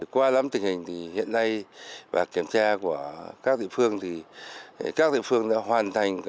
qua lắm tình hình thì hiện nay và kiểm tra của các địa phương thì các địa phương đã hoàn thành